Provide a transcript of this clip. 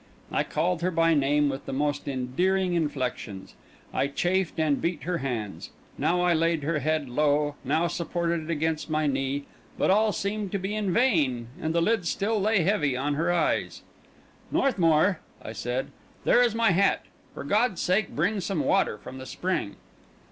I called her by name with the most endearing inflections; I chafed and beat her hands; now I laid her head low, now supported it against my knee; but all seemed to be in vain, and the lids still lay heavy on her eyes. "Northmour," I said, "there is my hat. For God's sake bring some water from the spring."